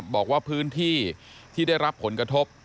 บอกว่าพื้นที่ที่ได้รับผลกระทบ